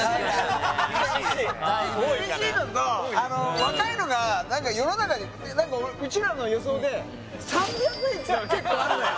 だいぶ厳しいのとあの若いのが何か世の中に何かうちらの予想で３００円ってのが結構あるのよ